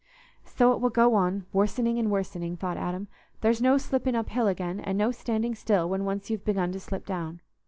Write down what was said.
"So it will go on, worsening and worsening," thought Adam; "there's no slipping uphill again, and no standing still when once you 've begun to slip down."